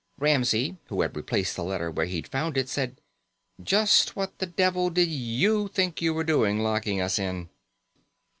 Ramsey, who had replaced the letter where he'd found it, said: "Just what the devil did you think you were doing, locking us in?"